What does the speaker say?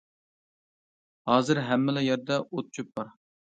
ھازىر ھەممىلا يەردە ئوت- چۆپ بار.